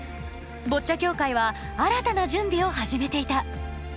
ボッチャ協会は新たな準備を始めていた。